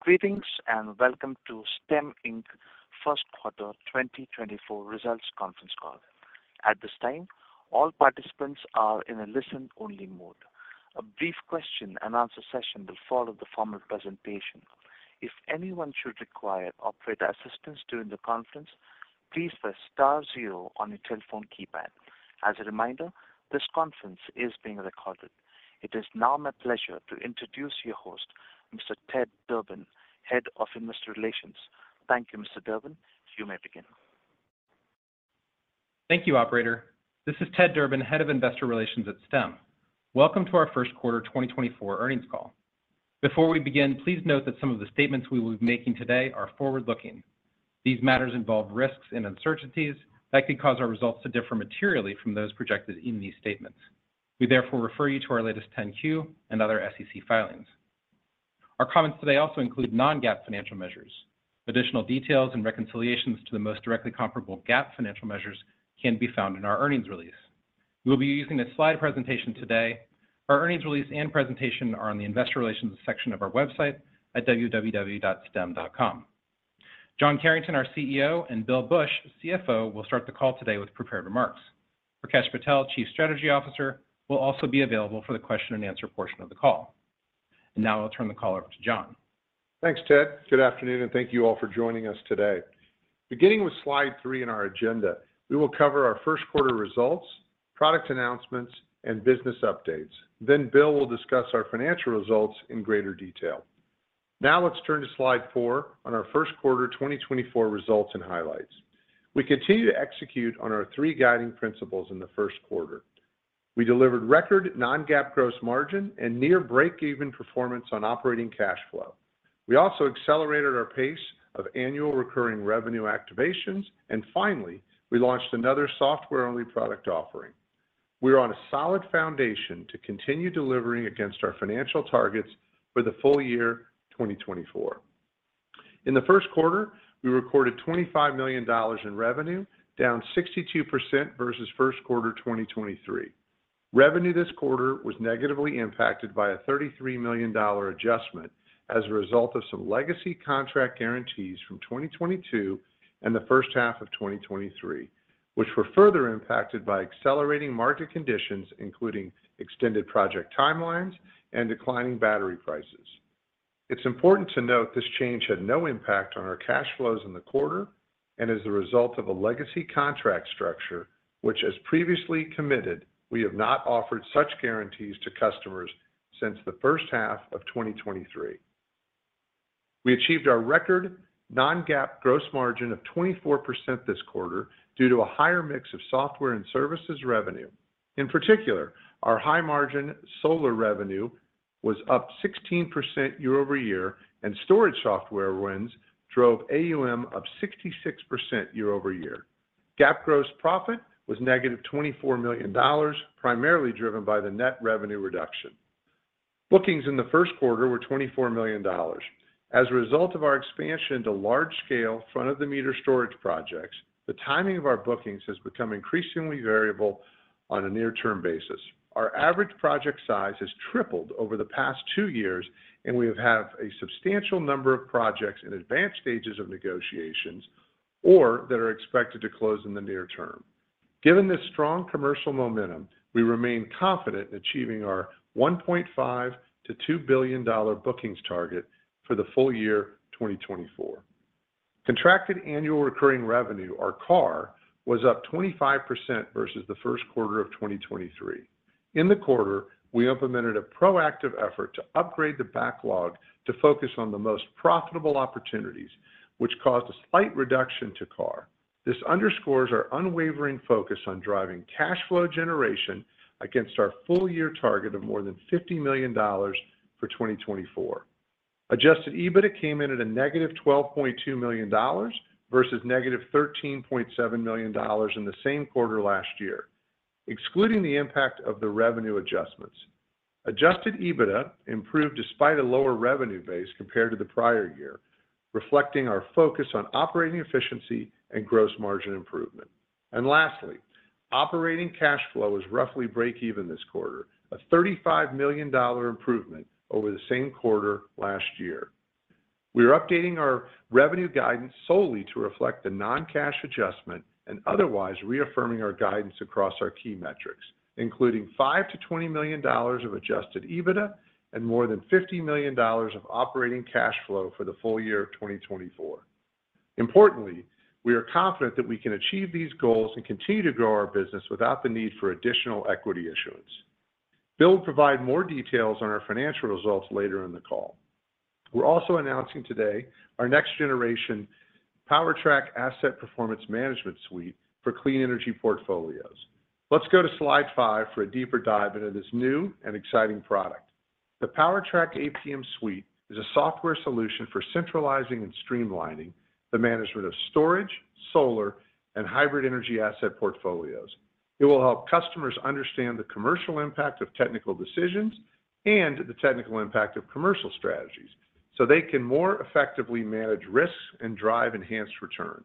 Greetings and welcome to Stem Inc Q1 2024 results conference call. At this time, all participants are in a listen-only mode. A brief question-and-answer session will follow the formal presentation. If anyone should require operator assistance during the conference, please press star zero on your telephone keypad. As a reminder, this conference is being recorded. It is now my pleasure to introduce your host, Mr. Ted Durbin, Head of Investor Relations. Thank you, Mr. Durbin. You may begin. Thank you, operator. This is Ted Durbin, Head of Investor Relations at Stem. Welcome to our Q1 2024 earnings call. Before we begin, please note that some of the statements we will be making today are forward-looking. These matters involve risks and uncertainties that could cause our results to differ materially from those projected in these statements. We therefore refer you to our latest 10-Q and other SEC filings. Our comments today also include non-GAAP financial measures. Additional details and reconciliations to the most directly comparable GAAP financial measures can be found in our earnings release. We will be using this slide presentation today. Our earnings release and presentation are on the investor relations section of our website at www.stem.com. John Carrington, our CEO, and Bill Bush, our CFO, will start the call today with prepared remarks. Prakesh Patel, Chief Strategy Officer, will also be available for the question-and-answer portion of the call. Now I'll turn the call over to John. Thanks, Ted. Good afternoon, and thank you all for joining us today. Beginning with slide three in our agenda, we will cover our Q1 results, product announcements, and business updates. Then Bill will discuss our financial results in greater detail. Now let's turn to slide four on our Q1 2024 results and highlights. We continue to execute on our three guiding principles in the Q1. We delivered record non-GAAP gross margin and near break-even performance on operating cash flow. We also accelerated our pace of annual recurring revenue activations. And finally, we launched another software-only product offering. We are on a solid foundation to continue delivering against our financial targets for the full year 2024. In the Q1, we recorded $25 million in revenue, down 62% versus Q1 2023. Revenue this quarter was negatively impacted by a $33 million adjustment as a result of some legacy contract guarantees from 2022 and the first half of 2023, which were further impacted by accelerating market conditions, including extended project timelines and declining battery prices. It's important to note this change had no impact on our cash flows in the quarter and is the result of a legacy contract structure, which, as previously committed, we have not offered such guarantees to customers since the first half of 2023. We achieved our record non-GAAP gross margin of 24% this quarter due to a higher mix of software and services revenue. In particular, our high-margin solar revenue was up 16% year-over-year, and storage software wins drove AUM up 66% year-over-year. GAAP gross profit was -$24 million, primarily driven by the net revenue reduction. Bookings in the Q1 were $24 million. As a result of our expansion to large-scale front-of-the-meter storage projects, the timing of our bookings has become increasingly variable on a near-term basis. Our average project size has tripled over the past two years, and we have had a substantial number of projects in advanced stages of negotiations or that are expected to close in the near term. Given this strong commercial momentum, we remain confident in achieving our $1.5-$2 billion bookings target for the full year 2024. Contracted annual recurring revenue, or CAR, was up 25% versus the Q1 of 2023. In the quarter, we implemented a proactive effort to upgrade the backlog to focus on the most profitable opportunities, which caused a slight reduction to CAR. This underscores our unwavering focus on driving cash flow generation against our full-year target of more than $50 million for 2024. Adjusted EBITDA came in at -$12.2 million versus -$13.7 million in the same quarter last year, excluding the impact of the revenue adjustments. Adjusted EBITDA improved despite a lower revenue base compared to the prior year, reflecting our focus on operating efficiency and gross margin improvement. Lastly, operating cash flow was roughly break-even this quarter, a $35 million improvement over the same quarter last year. We are updating our revenue guidance solely to reflect the non-cash adjustment and otherwise reaffirming our guidance across our key metrics, including $5-$20 million of adjusted EBITDA and more than $50 million of operating cash flow for the full year of 2024. Importantly, we are confident that we can achieve these goals and continue to grow our business without the need for additional equity issuance. Bill will provide more details on our financial results later in the call. We're also announcing today our next-generation PowerTrack Asset Performance Management Suite for clean energy portfolios. Let's go to slide 5 for a deeper dive into this new and exciting product. The PowerTrack APM Suite is a software solution for centralizing and streamlining the management of storage, solar, and hybrid energy asset portfolios. It will help customers understand the commercial impact of technical decisions and the technical impact of commercial strategies so they can more effectively manage risks and drive enhanced returns.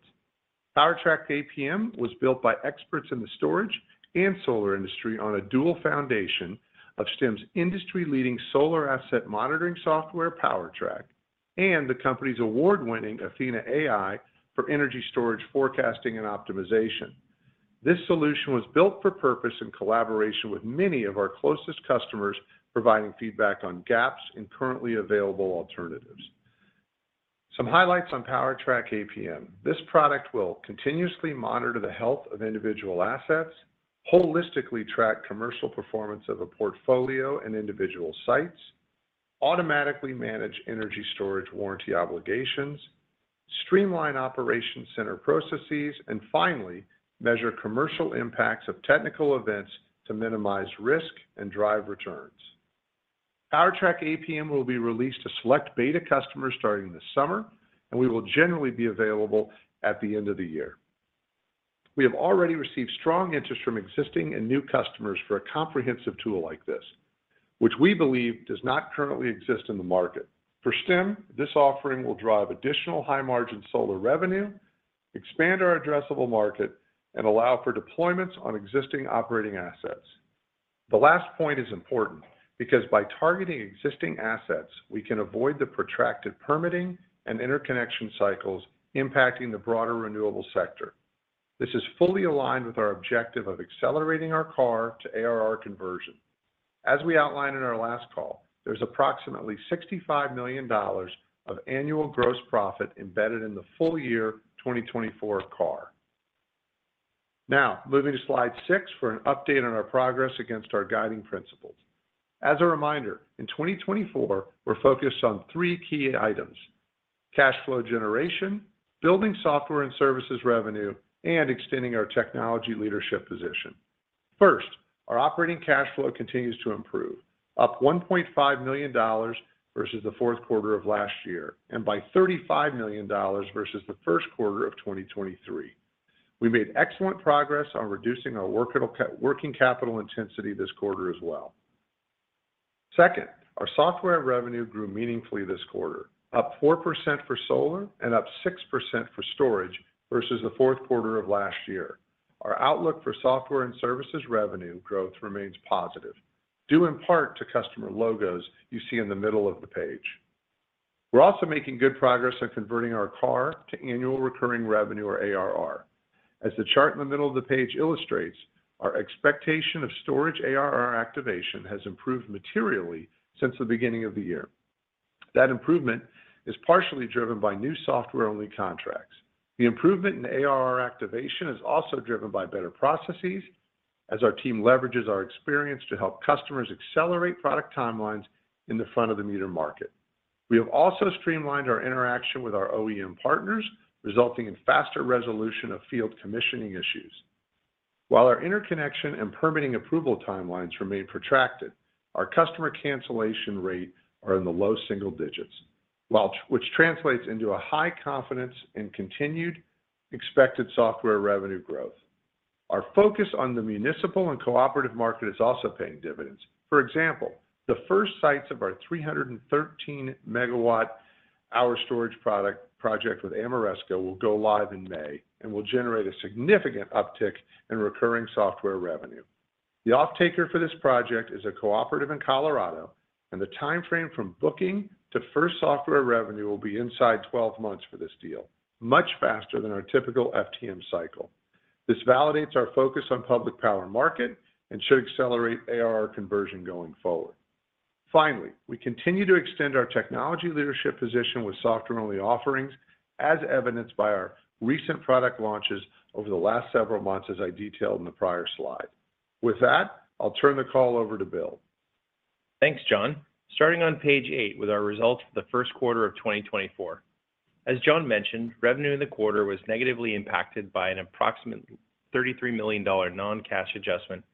PowerTrack APM was built by experts in the storage and solar industry on a dual foundation of Stem's industry-leading solar asset monitoring software, PowerTrack, and the company's award-winning Athena AI for energy storage forecasting and optimization. This solution was built for purpose in collaboration with many of our closest customers, providing feedback on gaps in currently available alternatives. Some highlights on PowerTrack APM: this product will continuously monitor the health of individual assets, holistically track commercial performance of a portfolio and individual sites, automatically manage energy storage warranty obligations, streamline operation center processes, and finally, measure commercial impacts of technical events to minimize risk and drive returns. PowerTrack APM will be released to select beta customers starting this summer, and we will generally be available at the end of the year. We have already received strong interest from existing and new customers for a comprehensive tool like this, which we believe does not currently exist in the market. For Stem, this offering will drive additional high-margin solar revenue, expand our addressable market, and allow for deployments on existing operating assets. The last point is important because by targeting existing assets, we can avoid the protracted permitting and interconnection cycles impacting the broader renewable sector. This is fully aligned with our objective of accelerating our CAR to ARR conversion. As we outlined in our last call, there's approximately $65 million of annual gross profit embedded in the full year 2024 CAR. Now, moving to slide six for an update on our progress against our guiding principles. As a reminder, in 2024, we're focused on three key items: cash flow generation, building software and services revenue, and extending our technology leadership position. First, our operating cash flow continues to improve, up $1.5 million versus the fourth quarter of last year and by $35 million versus the Q1 of 2023. We made excellent progress on reducing our working capital intensity this quarter as well. Second, our software revenue grew meaningfully this quarter, up 4% for solar and up 6% for storage versus the fourth quarter of last year. Our outlook for software and services revenue growth remains positive, due in part to customer logos you see in the middle of the page. We're also making good progress on converting our CAR to annual recurring revenue, or ARR. As the chart in the middle of the page illustrates, our expectation of storage ARR activation has improved materially since the beginning of the year. That improvement is partially driven by new software-only contracts. The improvement in ARR activation is also driven by better processes as our team leverages our experience to help customers accelerate product timelines in the front-of-the-meter market. We have also streamlined our interaction with our OEM partners, resulting in faster resolution of field commissioning issues. While our interconnection and permitting approval timelines remain protracted, our customer cancellation rates are in the low single digits, which translates into a high confidence in continued expected software revenue growth. Our focus on the municipal and cooperative market is also paying dividends. For example, the first sites of our 313-megawatt-hour storage project with Ameresco will go live in May and will generate a significant uptick in recurring software revenue. The offtaker for this project is a cooperative in Colorado, and the timeframe from booking to first software revenue will be inside 12 months for this deal, much faster than our typical FTM cycle. This validates our focus on public power market and should accelerate ARR conversion going forward. Finally, we continue to extend our technology leadership position with software-only offerings, as evidenced by our recent product launches over the last several months as I detailed in the prior slide. With that, I'll turn the call over to Bill. Thanks, John. Starting on page 8 with our results for the Q1 of 2024. As John mentioned, revenue in the quarter was negatively impacted by an approximate $33 million non-cash adjustment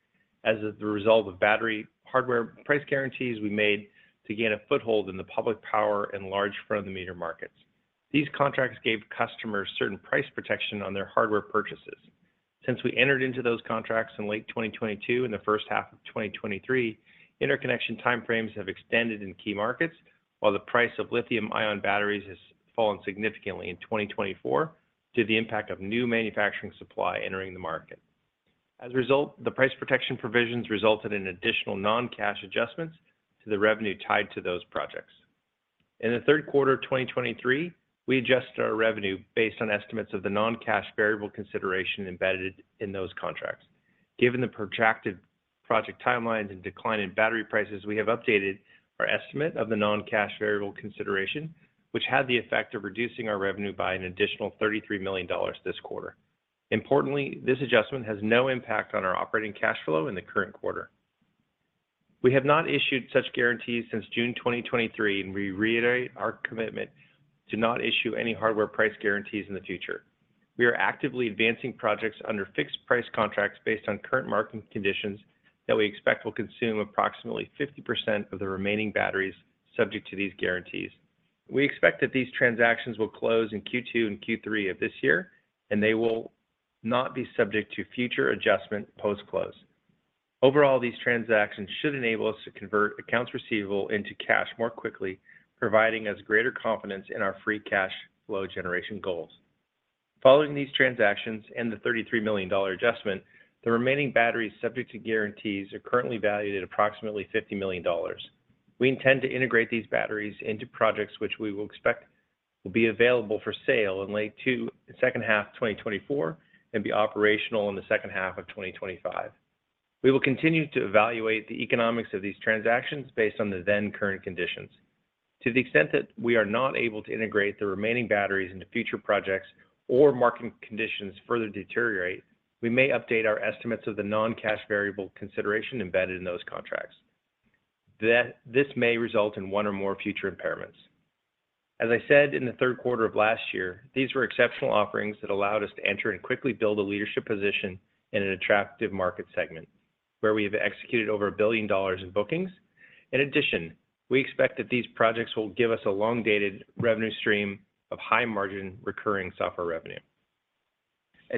as the result of battery hardware price guarantees we made to gain a foothold in the public power and large front-of-the-meter markets. These contracts gave customers certain price protection on their hardware purchases. Since we entered into those contracts in late 2022 and the first half of 2023, interconnection timeframes have extended in key markets, while the price of lithium-ion batteries has fallen significantly in 2024 due to the impact of new manufacturing supply entering the market. As a result, the price protection provisions resulted in additional non-cash adjustments to the revenue tied to those projects. In the third quarter of 2023, we adjusted our revenue based on estimates of the non-cash variable consideration embedded in those contracts. Given the protracted project timelines and decline in battery prices, we have updated our estimate of the non-cash variable consideration, which had the effect of reducing our revenue by an additional $33 million this quarter. Importantly, this adjustment has no impact on our operating cash flow in the current quarter. We have not issued such guarantees since June 2023, and we reiterate our commitment to not issue any hardware price guarantees in the future. We are actively advancing projects under fixed-price contracts based on current market conditions that we expect will consume approximately 50% of the remaining batteries subject to these guarantees. We expect that these transactions will close in Q2 and Q3 of this year, and they will not be subject to future adjustment post-close. Overall, these transactions should enable us to convert accounts receivable into cash more quickly, providing us greater confidence in our free cash flow generation goals. Following these transactions and the $33 million adjustment, the remaining batteries subject to guarantees are currently valued at approximately $50 million. We intend to integrate these batteries into projects which we will expect will be available for sale in late second half of 2024 and be operational in the second half of 2025. We will continue to evaluate the economics of these transactions based on the then-current conditions. To the extent that we are not able to integrate the remaining batteries into future projects or market conditions further deteriorate, we may update our estimates of the non-cash variable consideration embedded in those contracts. This may result in one or more future impairments. As I said in the third quarter of last year, these were exceptional offerings that allowed us to enter and quickly build a leadership position in an attractive market segment where we have executed over $1 billion in bookings. In addition, we expect that these projects will give us a long-dated revenue stream of high-margin recurring software revenue.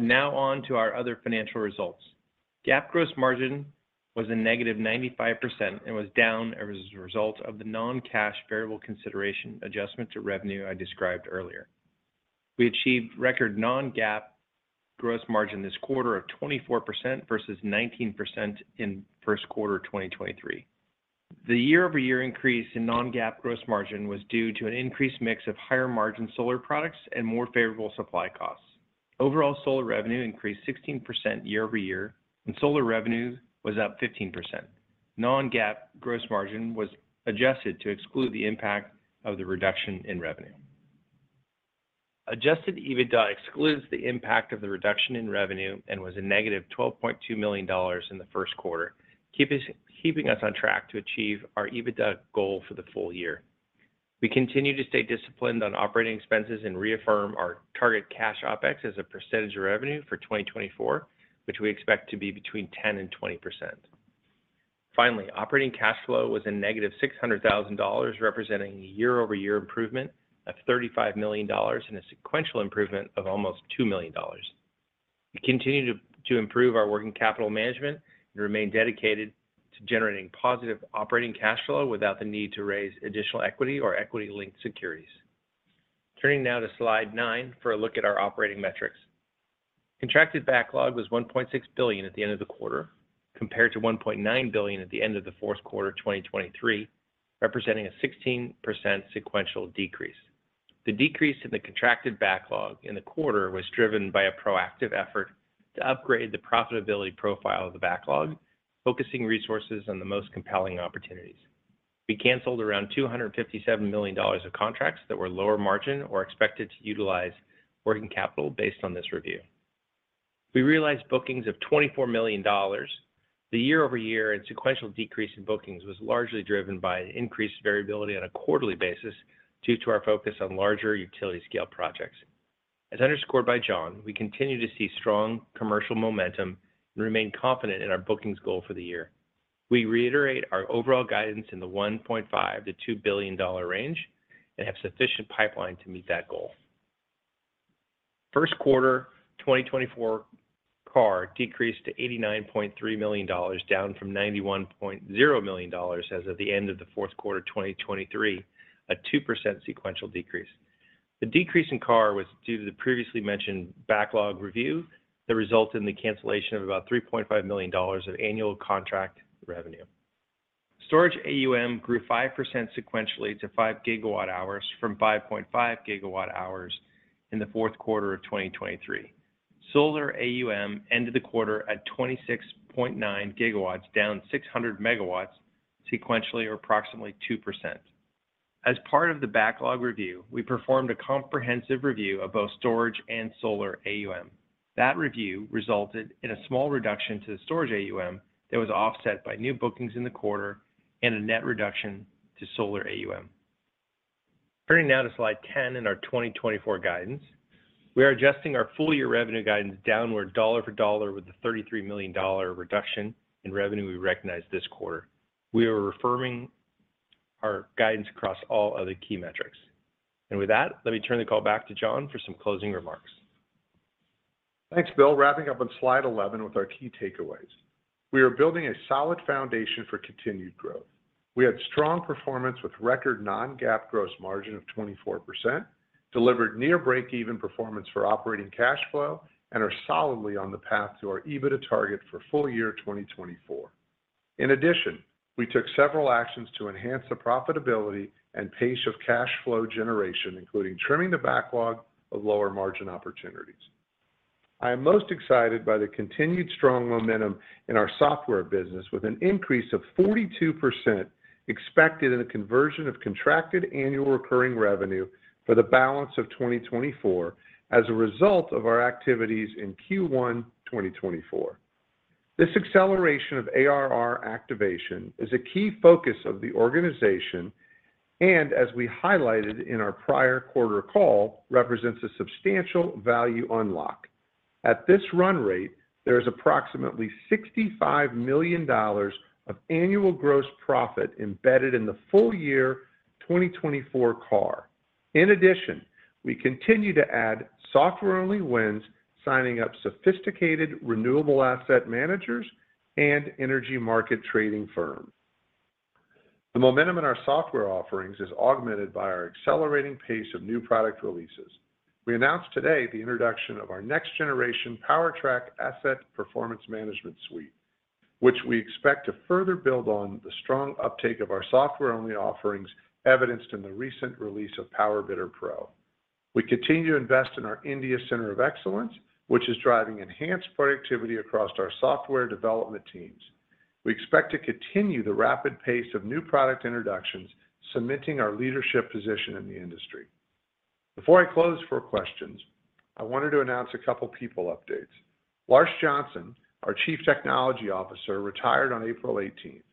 Now on to our other financial results. GAAP gross margin was a negative 95% and was down as a result of the non-cash variable consideration adjustment to revenue I described earlier. We achieved record non-GAAP gross margin this quarter of 24% versus 19% in Q1 of 2023. The year-over-year increase in non-GAAP gross margin was due to an increased mix of higher-margin solar products and more favorable supply costs. Overall solar revenue increased 16% year-over-year, and solar revenue was up 15%. Non-GAAP gross margin was adjusted to exclude the impact of the reduction in revenue. Adjusted EBITDA excludes the impact of the reduction in revenue and was a negative $12.2 million in the Q1, keeping us on track to achieve our EBITDA goal for the full year. We continue to stay disciplined on operating expenses and reaffirm our target cash OPEX as a percentage of revenue for 2024, which we expect to be between 10%-20%. Finally, operating cash flow was a negative $600,000, representing a year-over-year improvement of $35 million and a sequential improvement of almost $2 million. We continue to improve our working capital management and remain dedicated to generating positive operating cash flow without the need to raise additional equity or equity-linked securities. Turning now to slide 9 for a look at our operating metrics. Contracted backlog was $1.6 billion at the end of the quarter compared to $1.9 billion at the end of the Q4 of 2023, representing a 16% sequential decrease. The decrease in the contracted backlog in the quarter was driven by a proactive effort to upgrade the profitability profile of the backlog, focusing resources on the most compelling opportunities. We canceled around $257 million of contracts that were lower margin or expected to utilize working capital based on this review. We realized bookings of $24 million. The year-over-year and sequential decrease in bookings was largely driven by increased variability on a quarterly basis due to our focus on larger utility-scale projects. As underscored by John, we continue to see strong commercial momentum and remain confident in our bookings goal for the year. We reiterate our overall guidance in the $1.5-$2 billion range and have sufficient pipeline to meet that goal. Q1 2024 CAR decreased to $89.3 million, down from $91.0 million as of the end of the fourth quarter of 2023, a 2% sequential decrease. The decrease in CAR was due to the previously mentioned backlog review that resulted in the cancellation of about $3.5 million of annual contract revenue. Storage AUM grew 5% sequentially to 5 GWh from 5.5 GWh in the fourth quarter of 2023. Solar AUM ended the quarter at 26.9 GW, down 600 MW sequentially, or approximately 2%. As part of the backlog review, we performed a comprehensive review of both storage and solar AUM. That review resulted in a small reduction to the storage AUM that was offset by new bookings in the quarter and a net reduction to solar AUM. Turning now to slide 10 in our 2024 guidance, we are adjusting our full-year revenue guidance downward dollar for dollar with the $33 million reduction in revenue we recognize this quarter. We are refirming our guidance across all other key metrics. With that, let me turn the call back to John for some closing remarks. Thanks, Bill. Wrapping up on slide 11 with our key takeaways. We are building a solid foundation for continued growth. We had strong performance with record non-GAAP gross margin of 24%, delivered near break-even performance for operating cash flow, and are solidly on the path to our EBITDA target for full year 2024. In addition, we took several actions to enhance the profitability and pace of cash flow generation, including trimming the backlog of lower-margin opportunities. I am most excited by the continued strong momentum in our software business with an increase of 42% expected in the conversion of contracted annual recurring revenue for the balance of 2024 as a result of our activities in Q1 2024. This acceleration of ARR activation is a key focus of the organization and, as we highlighted in our prior quarter call, represents a substantial value unlock. At this run rate, there is approximately $65 million of annual gross profit embedded in the full year 2024 CAR. In addition, we continue to add software-only wins signing up sophisticated renewable asset managers and energy market trading firms. The momentum in our software offerings is augmented by our accelerating pace of new product releases. We announced today the introduction of our next-generation PowerTrack asset performance management suite, which we expect to further build on the strong uptake of our software-only offerings evidenced in the recent release of PowerBidder Pro. We continue to invest in our India Center of Excellence, which is driving enhanced productivity across our software development teams. We expect to continue the rapid pace of new product introductions, cementing our leadership position in the industry. Before I close for questions, I wanted to announce a couple of people updates. Lars Johnson, our Chief Technology Officer, retired on April 18th.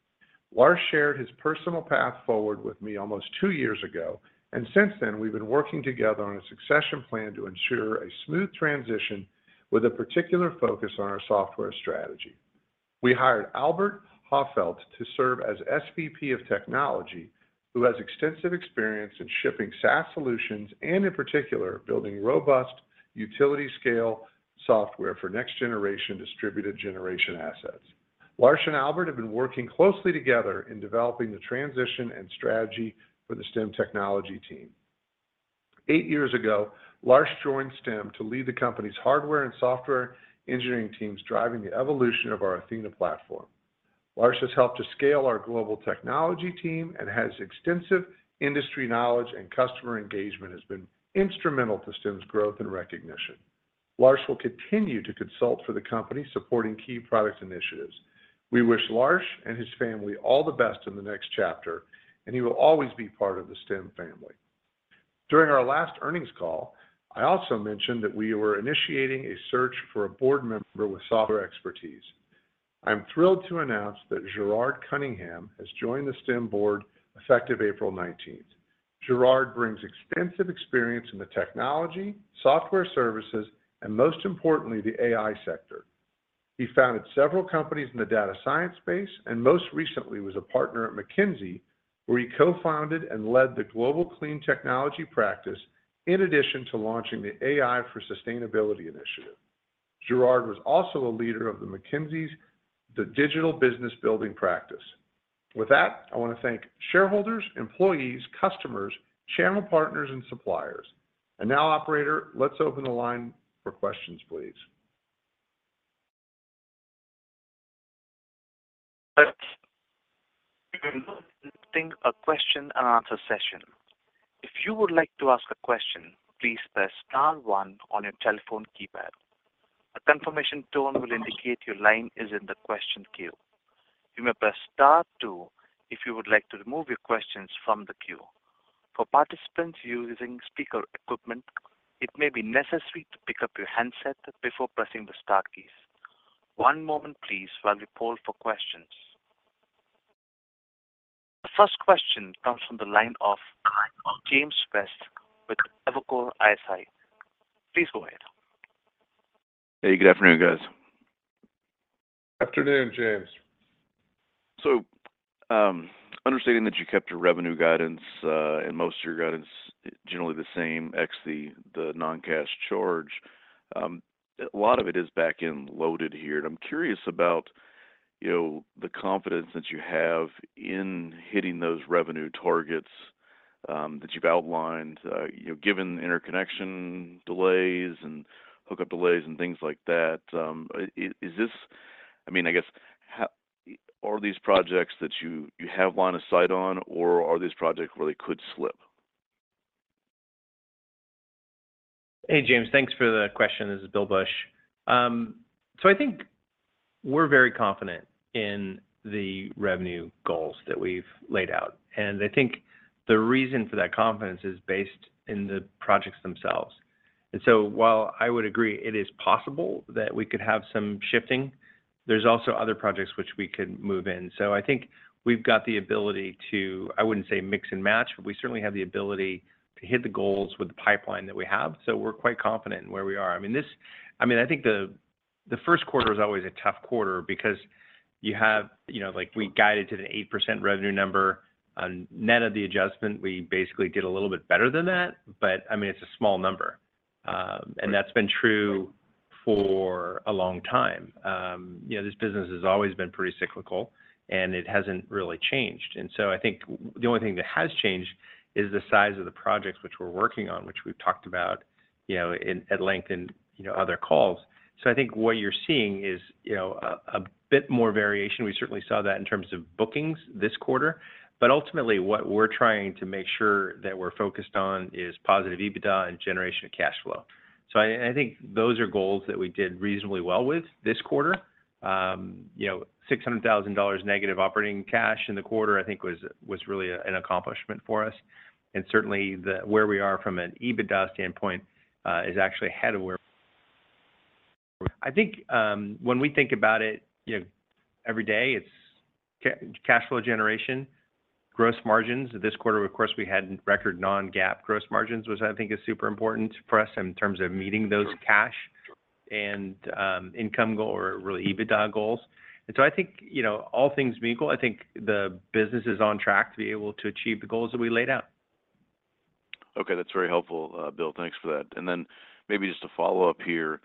Lars shared his personal path forward with me almost two years ago, and since then, we've been working together on a succession plan to ensure a smooth transition with a particular focus on our software strategy. We hired Albert Hofeldt to serve as SVP of echnology, who has extensive experience in shipping SaaS solutions and, in particular, building robust utility-scale software for next-generation distributed generation assets. Lars and Albert have been working closely together in developing the transition and strategy for the Stem technology team. Eight years ago, Lars joined Stem to lead the company's hardware and software engineering teams, driving the evolution of our Athena platform. Lars has helped to scale our global technology team and has extensive industry knowledge, and customer engagement has been instrumental to Stem's growth and recognition. Lars will continue to consult for the company, supporting key product initiatives. We wish Lars and his family all the best in the next chapter, and he will always be part of the Stem family. During our last earnings call, I also mentioned that we were initiating a search for a board member with software expertise. I'm thrilled to announce that Gerard Cunningham has joined the Stem board effective April 19th. Gerard brings extensive experience in the technology, software services, and most importantly, the AI sector. He founded several companies in the data science space and most recently was a partner at McKinsey, where he co-founded and led the global clean technology practice, in addition to launching the AI for Sustainability Initiative. Gerard was also a leader of the McKinsey's digital business building practice. With that, I want to thank shareholders, employees, customers, channel partners, and suppliers. Now, operator, let's open the line for questions, please. Welcome to the Question and Answer session. If you would like to ask a question, please press star 1 on your telephone keypad. A confirmation tone will indicate your line is in the question queue. You may press star 2 if you would like to remove your questions from the queue. For participants using speaker equipment, it may be necessary to pick up your handset before pressing the star keys. One moment, please, while we poll for questions. The first question comes from the line of James West with Evercore ISI. Please go ahead. Hey. Good afternoon, guys. Good afternoon, James. So, understanding that you kept your revenue guidance and most of your guidance generally the same ex the non-cash charge, a lot of it is back-loaded here. And I'm curious about the confidence that you have in hitting those revenue targets that you've outlined, given interconnection delays and hookup delays and things like that. I mean, I guess, are these projects that you have line of sight on, or are these projects where they could slip? Hey, James. Thanks for the question. This is Bill Bush. So I think we're very confident in the revenue goals that we've laid out. And I think the reason for that confidence is based in the projects themselves. And so while I would agree it is possible that we could have some shifting, there's also other projects which we could move in. So I think we've got the ability to—I wouldn't say mix and match, but we certainly have the ability to hit the goals with the pipeline that we have. So we're quite confident in where we are. I mean, I think the Q1 was always a tough quarter because we guided to an 8% revenue number. Net of the adjustment, we basically did a little bit better than that, but I mean, it's a small number. And that's been true for a long time. This business has always been pretty cyclical, and it hasn't really changed. So I think the only thing that has changed is the size of the projects which we're working on, which we've talked about at length in other calls. So I think what you're seeing is a bit more variation. We certainly saw that in terms of bookings this quarter. But ultimately, what we're trying to make sure that we're focused on is positive EBITDA and generation of cash flow. So I think those are goals that we did reasonably well with this quarter. -$600,000 operating cash in the quarter, I think, was really an accomplishment for us. And certainly, where we are from an EBITDA standpoint is actually ahead of where we I think when we think about it every day, it's cash flow generation, gross margins. This quarter, of course, we had record non-GAAP gross margins, which I think is super important for us in terms of meeting those cash and income goal or really EBITDA goals. So I think all things meaningful, I think the business is on track to be able to achieve the goals that we laid out. Okay. That's very helpful, Bill. Thanks for that. And then maybe just a follow-up here.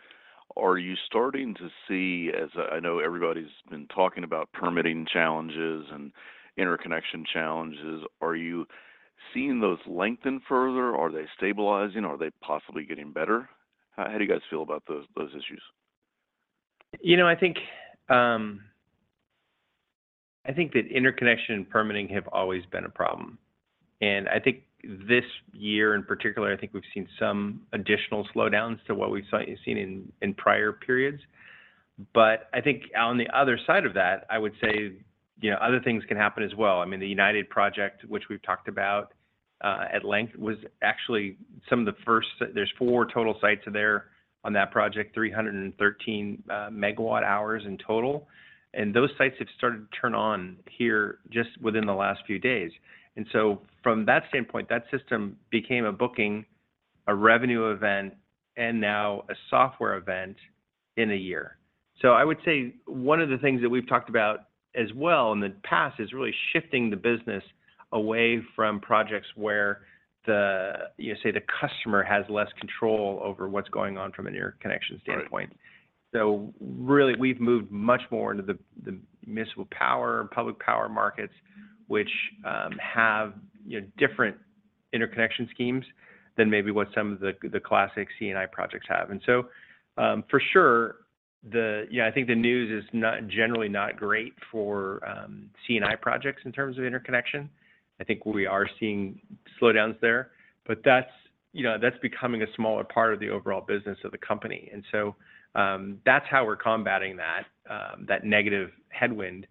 Are you starting to see, as I know everybody's been talking about permitting challenges and interconnection challenges, are you seeing those lengthen further? Are they stabilizing? Are they possibly getting better? How do you guys feel about those issues? I think that interconnection and permitting have always been a problem. I think this year in particular, I think we've seen some additional slowdowns to what we've seen in prior periods. But I think on the other side of that, I would say other things can happen as well. I mean, the United project, which we've talked about at length, was actually some of the first. There's 4 total sites there on that project, 313 MWh in total. And those sites have started to turn on here just within the last few days. And so from that standpoint, that system became a booking, a revenue event, and now a software event in a year. So I would say one of the things that we've talked about as well in the past is really shifting the business away from projects where, say, the customer has less control over what's going on from an interconnection standpoint. So really, we've moved much more into the municipal power and public power markets, which have different interconnection schemes than maybe what some of the classic C&I projects have. And so for sure, I think the news is generally not great for C&I projects in terms of interconnection. I think we are seeing slowdowns there. But that's becoming a smaller part of the overall business of the company. And so that's how we're combating that negative headwind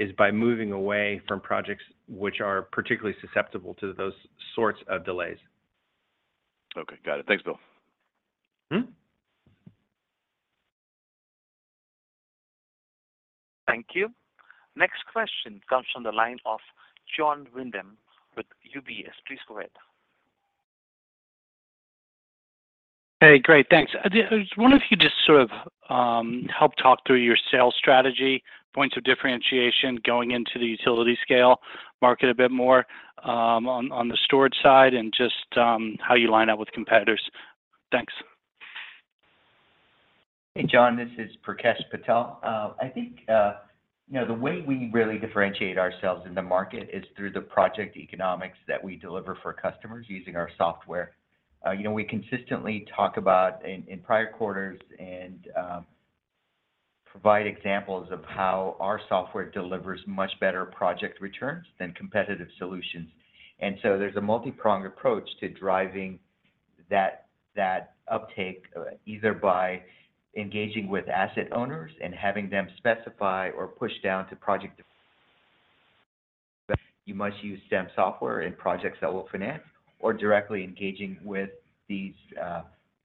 is by moving away from projects which are particularly susceptible to those sorts of delays. Okay. Got it. Thanks, Bill. Thank you. Next question comes from the line of Jon Windham with UBS. Please go ahead. Hey. Great. Thanks. I just wonder if you could just sort of help talk through your sales strategy, points of differentiation going into the utility scale market a bit more on the storage side, and just how you line up with competitors. Thanks. Hey, John. This is Prakesh Patel. I think the way we really differentiate ourselves in the market is through the project economics that we deliver for customers using our software. We consistently talk about in prior quarters and provide examples of how our software delivers much better project returns than competitive solutions. And so there's a multipronged approach to driving that uptake either by engaging with asset owners and having them specify or push down to project you must use Stem software in projects that will finance or directly engaging with these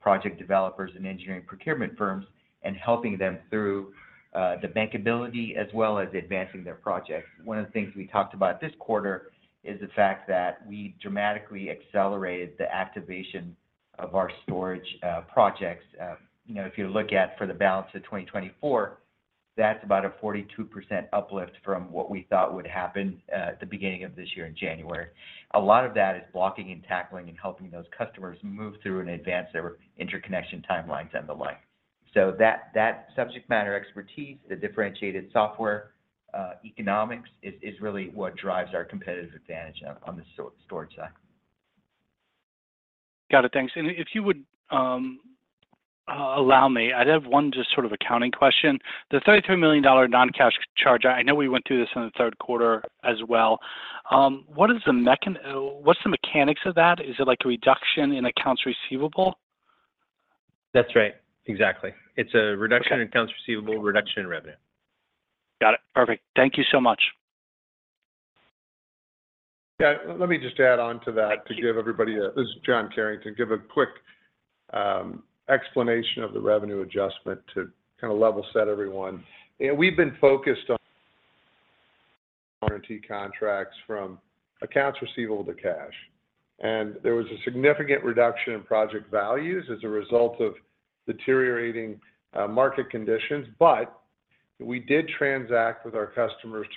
project developers and engineering procurement firms and helping them through the bankability as well as advancing their projects. One of the things we talked about this quarter is the fact that we dramatically accelerated the activation of our storage projects. If you look at the balance of 2024, that's about a 42% uplift from what we thought would happen at the beginning of this year in January. A lot of that is blocking and tackling and helping those customers move through and advance their interconnection timelines and the like. So that subject matter expertise, the differentiated software economics, is really what drives our competitive advantage on the storage side. Got it. Thanks. If you would allow me, I'd have one just sort of accounting question. The $33 million non-cash charge, I know we went through this in the Q3 as well. What's the mechanics of that? Is it a reduction in accounts receivable? That's right. Exactly. It's a reduction in accounts receivable, reduction in revenue. Got it. Perfect. Thank you so much. Yeah. Let me just add on to that to give everybody a this is John Carrington. Give a quick explanation of the revenue adjustment to kind of level set everyone. We've been focused on warranty contracts from accounts receivable to cash. And there was a significant reduction in project values as a result of deteriorating market conditions. But we did transact with our customers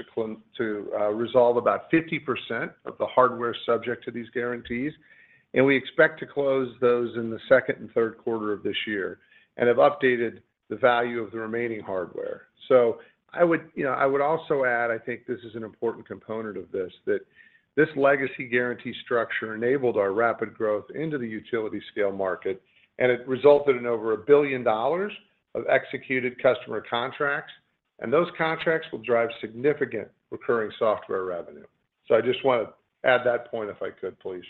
to resolve about 50% of the hardware subject to these guarantees. And we expect to close those in the second and Q3 of this year and have updated the value of the remaining hardware. So I would also add, I think this is an important component of this, that this legacy guarantee structure enabled our rapid growth into the utility-scale market. And it resulted in over $1 billion of executed customer contracts. And those contracts will drive significant recurring software revenue. I just want to add that point if I could, please.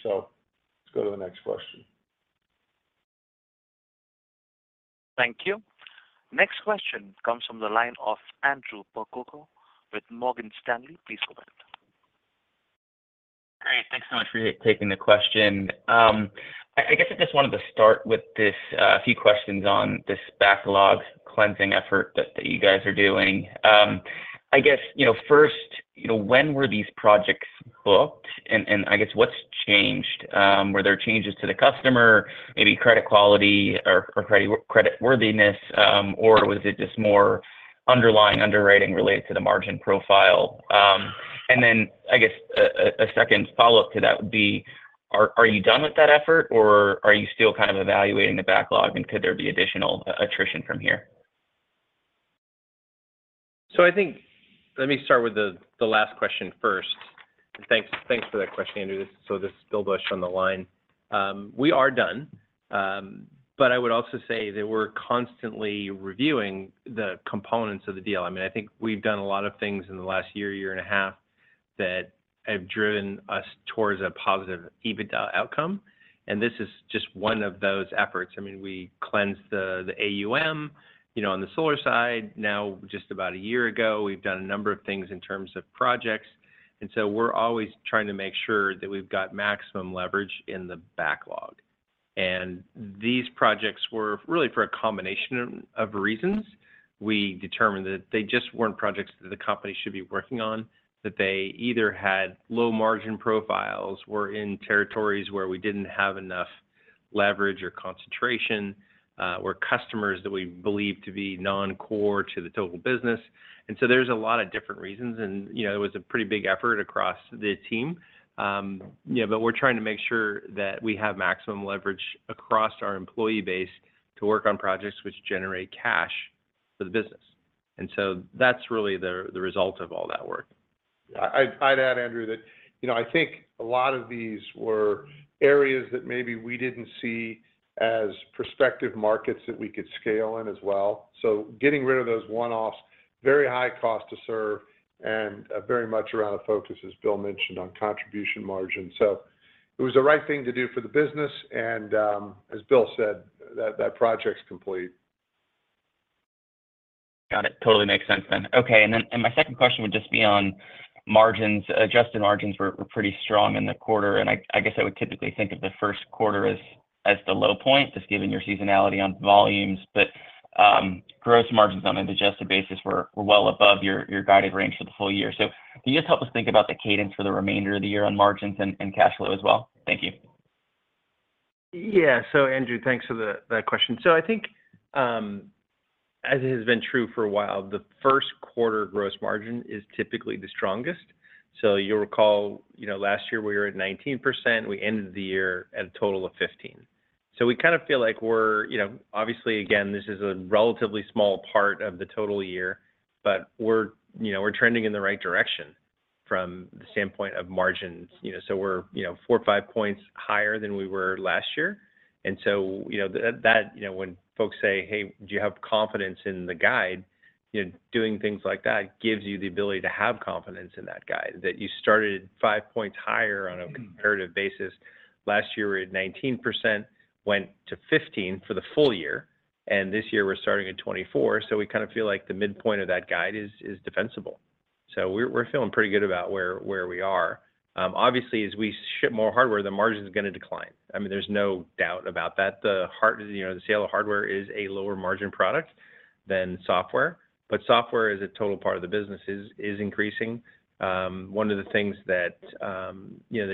Let's go to the next question. Thank you. Next question comes from the line of Andrew Percoco with Morgan Stanley. Please go ahead. Great. Thanks so much for taking the question. I guess I just wanted to start with a few questions on this backlog cleansing effort that you guys are doing. I guess first, when were these projects booked? And I guess what's changed? Were there changes to the customer, maybe credit quality or creditworthiness, or was it just more underlying underwriting related to the margin profile? And then I guess a second follow-up to that would be, are you done with that effort, or are you still kind of evaluating the backlog, and could there be additional attrition from here? So I think let me start with the last question first. And thanks for that question, Andrew. So this is Bill Bush on the line. We are done. But I would also say that we're constantly reviewing the components of the deal. I mean, I think we've done a lot of things in the last year and a half that have driven us towards a positive EBITDA outcome. And this is just one of those efforts. I mean, we cleansed the AUM on the solar side. Now, just about a year ago, we've done a number of things in terms of projects. And so we're always trying to make sure that we've got maximum leverage in the backlog. And these projects were really for a combination of reasons. We determined that they just weren't projects that the company should be working on, that they either had low margin profiles, were in territories where we didn't have enough leverage or concentration, were customers that we believed to be non-core to the total business. So there's a lot of different reasons. It was a pretty big effort across the team. But we're trying to make sure that we have maximum leverage across our employee base to work on projects which generate cash for the business. So that's really the result of all that work. Yeah. I'd add, Andrew, that I think a lot of these were areas that maybe we didn't see as prospective markets that we could scale in as well. So getting rid of those one-offs, very high cost to serve, and very much around a focus, as Bill mentioned, on contribution margin. So it was the right thing to do for the business. And as Bill said, that project's complete. Got it. Totally makes sense then. Okay. And my second question would just be on adjusted margins. We're pretty strong in the quarter. And I guess I would typically think of the Q1 as the low point, just given your seasonality on volumes. But gross margins on an adjusted basis were well above your guided range for the full year. So can you just help us think about the cadence for the remainder of the year on margins and cash flow as well? Thank you. Yeah. So, Andrew, thanks for that question. So I think, as it has been true for a while, the Q1 gross margin is typically the strongest. So you'll recall last year we were at 19%. We ended the year at a total of 15%. So we kind of feel like we're obviously, again, this is a relatively small part of the total year, but we're trending in the right direction from the standpoint of margins. So we're four or five points higher than we were last year. And so when folks say, "Hey, do you have confidence in the guide?" doing things like that gives you the ability to have confidence in that guide, that you started five points higher on a comparative basis. Last year, we were at 19%, went to 15% for the full year. And this year, we're starting at 24%. So we kind of feel like the midpoint of that guide is defensible. So we're feeling pretty good about where we are. Obviously, as we ship more hardware, the margin's going to decline. I mean, there's no doubt about that. The sale of hardware is a lower margin product than software. But software as a total part of the business is increasing. One of the things that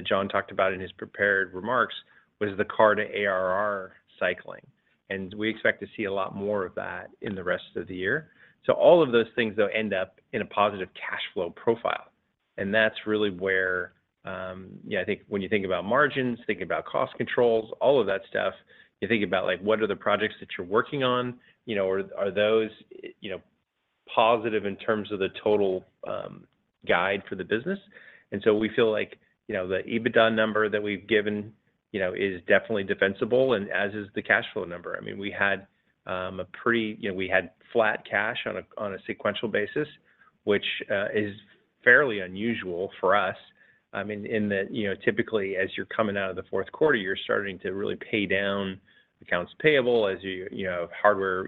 John talked about in his prepared remarks was the CAR-to-ARR cycling. And we expect to see a lot more of that in the rest of the year. So all of those things, though, end up in a positive cash flow profile. And that's really where I think when you think about margins, thinking about cost controls, all of that stuff, you think about what are the projects that you're working on? Are those positive in terms of the total guide for the business? And so we feel like the EBITDA number that we've given is definitely defensible, and as is the cash flow number. I mean, we had pretty flat cash on a sequential basis, which is fairly unusual for us. I mean, typically, as you're coming out of the fourth quarter, you're starting to really pay down accounts payable as you have hardware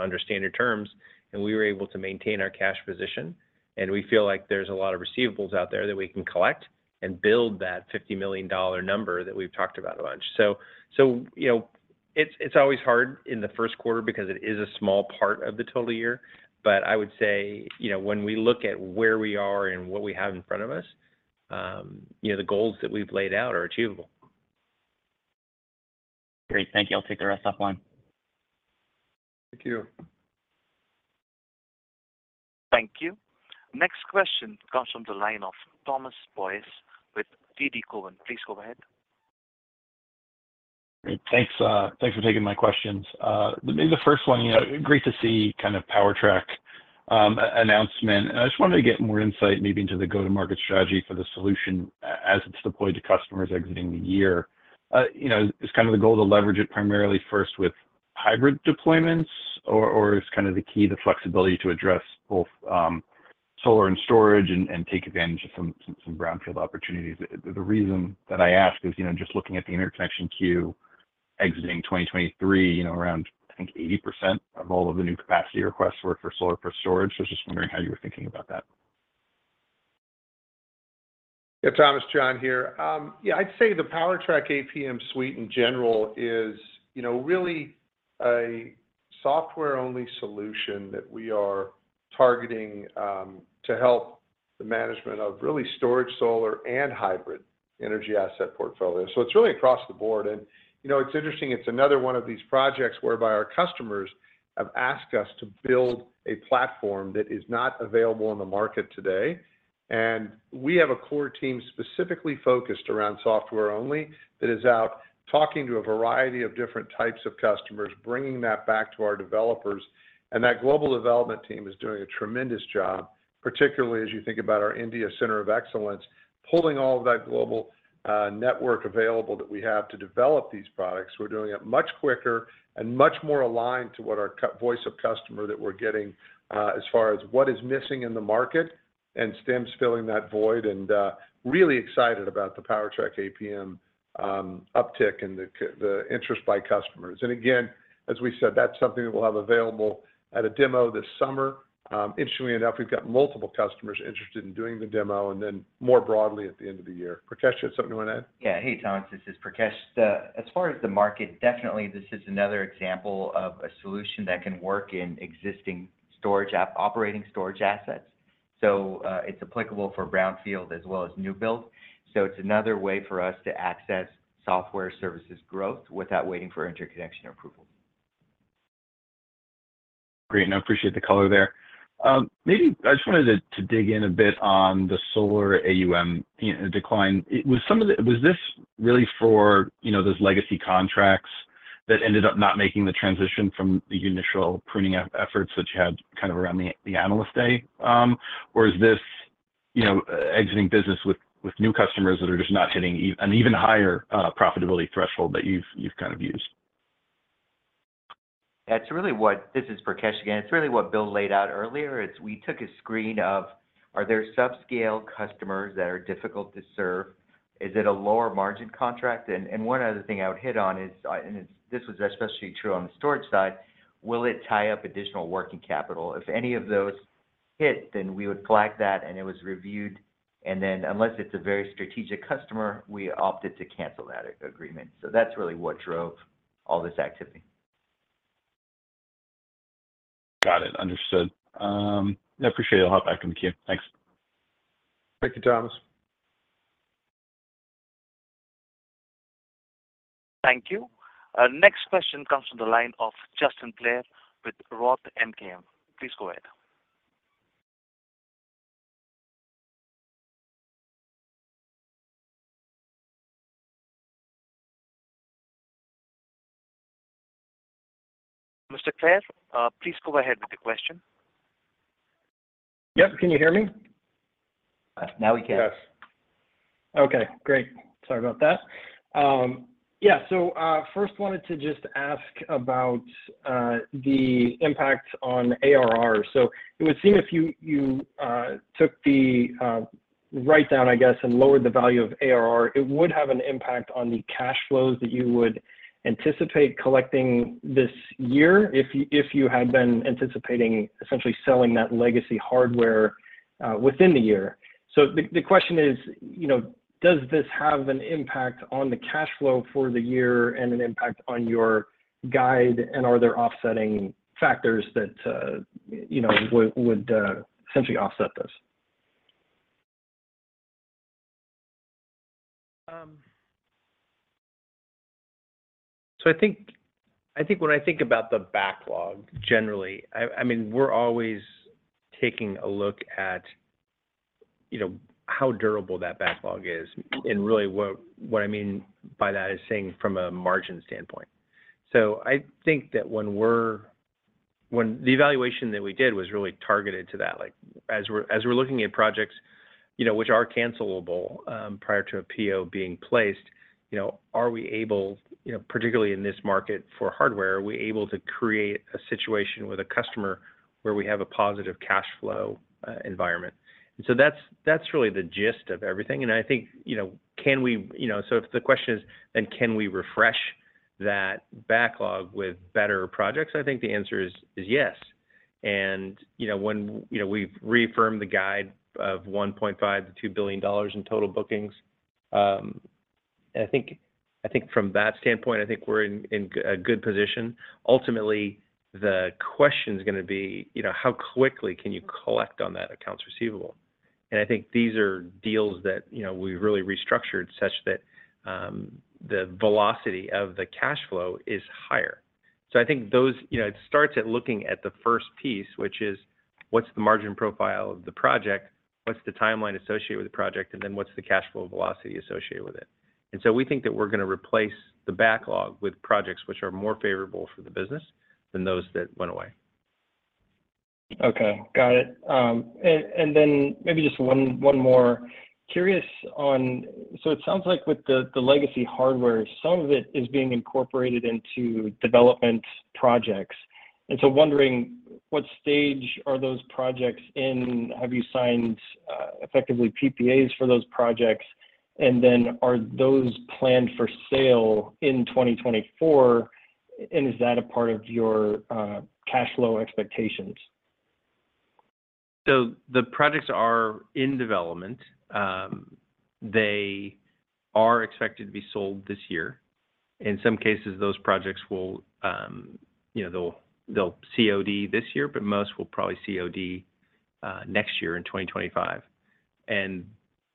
under standard terms. And we were able to maintain our cash position. And we feel like there's a lot of receivables out there that we can collect and build that $50 million number that we've talked about a bunch. So it's always hard in the Q1 because it is a small part of the total year. But I would say when we look at where we are and what we have in front of us, the goals that we've laid out are achievable. Great. Thank you. I'll take the rest offline. Thank you. Thank you. Next question comes from the line of Thomas Boyce with TD Cowen. Please go ahead. Great. Thanks for taking my questions. Maybe the first one, great to see kind of PowerTrack announcement. I just wanted to get more insight maybe into the go-to-market strategy for the solution as it's deployed to customers exiting the year. Is kind of the goal to leverage it primarily first with hybrid deployments, or is kind of the key the flexibility to address both solar and storage and take advantage of some brownfield opportunities? The reason that I ask is just looking at the interconnection queue exiting 2023, around, I think, 80% of all of the new capacity requests were for solar for storage. I was just wondering how you were thinking about that. Yeah. Thomas, John here. Yeah. I'd say the PowerTrack APM Suite, in general, is really a software-only solution that we are targeting to help the management of really storage, solar, and hybrid energy asset portfolio. So it's really across the board. And it's interesting. It's another one of these projects whereby our customers have asked us to build a platform that is not available in the market today. And we have a core team specifically focused around software only that is out talking to a variety of different types of customers, bringing that back to our developers. And that global development team is doing a tremendous job, particularly as you think about our India Center of Excellence, pulling all of that global network available that we have to develop these products. We're doing it much quicker and much more aligned to what our voice of customer that we're getting as far as what is missing in the market and Stem's filling that void. Really excited about the PowerTrack APM uptick and the interest by customers. Again, as we said, that's something that we'll have available at a demo this summer. Interestingly enough, we've got multiple customers interested in doing the demo and then more broadly at the end of the year. Prakesh, you had something you wanted to add? Yeah. Hey, Thomas. This is Prakesh. As far as the market, definitely, this is another example of a solution that can work in existing operating storage assets. So it's applicable for brownfield as well as new build. So it's another way for us to access software services growth without waiting for interconnection approval. Great. I appreciate the color there. Maybe I just wanted to dig in a bit on the solar AUM decline. Was this really for those legacy contracts that ended up not making the transition from the initial pruning efforts that you had kind of around the analyst day? Or is this exiting business with new customers that are just not hitting an even higher profitability threshold that you've kind of used? Yeah. This is Prakesh again. It's really what Bill laid out earlier. We took a screen of, are there subscale customers that are difficult to serve? Is it a lower margin contract? And one other thing I would hit on is, and this was especially true on the storage side, will it tie up additional working capital? If any of those hit, then we would flag that and it was reviewed. And then unless it's a very strategic customer, we opted to cancel that agreement. So that's really what drove all this activity. Got it. Understood. Yeah. Appreciate it. I'll hop back on the queue. Thanks. Thank you, Thomas. Thank you. Next question comes from the line of Justin Clare with Roth MKM. Please go ahead. Mr. Clare, please go ahead with your question. Yep. Can you hear me? Now we can. Yes. Okay. Great. Sorry about that. Yeah. So first, wanted to just ask about the impact on ARR. So it would seem if you took the write-down, I guess, and lowered the value of ARR, it would have an impact on the cash flows that you would anticipate collecting this year if you had been anticipating essentially selling that legacy hardware within the year. So the question is, does this have an impact on the cash flow for the year and an impact on your guide, and are there offsetting factors that would essentially offset this? So I think when I think about the backlog, generally, I mean, we're always taking a look at how durable that backlog is and really what I mean by that is saying from a margin standpoint. So I think that when we're the evaluation that we did was really targeted to that. As we're looking at projects which are cancelable prior to a PO being placed, are we able, particularly in this market for hardware, are we able to create a situation with a customer where we have a positive cash flow environment? And so that's really the gist of everything. And I think, can we so if the question is, then can we refresh that backlog with better projects? I think the answer is yes. And when we've reaffirmed the guide of $1.5-$2 billion in total bookings, and I think from that standpoint, I think we're in a good position. Ultimately, the question's going to be, how quickly can you collect on that accounts receivable? And I think these are deals that we've really restructured such that the velocity of the cash flow is higher. So I think those it starts at looking at the first piece, which is, what's the margin profile of the project? What's the timeline associated with the project? And then what's the cash flow velocity associated with it? And so we think that we're going to replace the backlog with projects which are more favorable for the business than those that went away. Okay. Got it. Then maybe just one more. Curious on so it sounds like with the legacy hardware, some of it is being incorporated into development projects. So wondering, what stage are those projects in? Have you signed effectively PPAs for those projects? Then are those planned for sale in 2024? Is that a part of your cash flow expectations? The projects are in development. They are expected to be sold this year. In some cases, those projects, they'll COD this year, but most will probably COD next year in 2025.